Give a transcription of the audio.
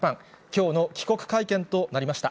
きょうの帰国会見となりました。